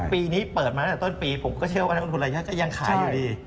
ปีนี้เปิดมาตั้งแต่ต้นปีผมก็เชื่อว่านักลงทุนรายย่อก็ยังขายอยู่ดี